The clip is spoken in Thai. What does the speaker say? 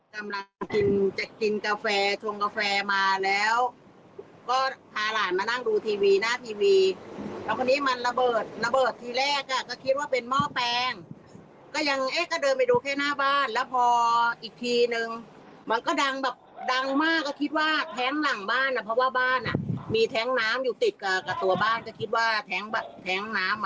กำลังกินจะกินกาแฟชงกาแฟมาแล้วก็พาหลานมานั่งดูทีวีหน้าทีวีแล้วคราวนี้มันระเบิดระเบิดทีแรกอ่ะก็คิดว่าเป็นหม้อแปลงก็ยังเอ๊ะก็เดินไปดูแค่หน้าบ้านแล้วพออีกทีนึงมันก็ดังแบบดังมากก็คิดว่าแท้งหลังบ้านอ่ะเพราะว่าบ้านอ่ะมีแท้งน้ำอยู่ติดกับตัวบ้านก็คิดว่าแท้งน้ำอ่ะ